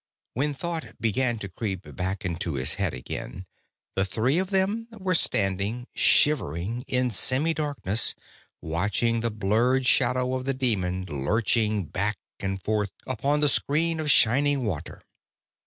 When thought began to creep back into his head again, the three of them were standing shivering in semidarkness, watching the blurred shadow of the demon lurching back and forth upon the screen of shining water.